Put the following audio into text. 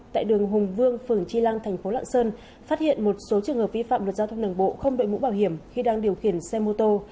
tại đường hùng vương phường tri lăng thành phố lạng sơn phát hiện một số trường hợp vi phạm luật giao thông đường bộ không đội mũ bảo hiểm khi đang điều khiển xe mô tô